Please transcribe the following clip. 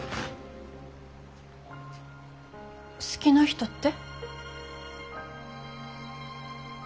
好きな人って？